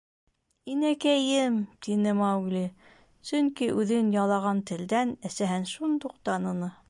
— Инәкәйем! — тине Маугли, сөнки үҙен ялаған телдән әсәһен шундуҡ таныны.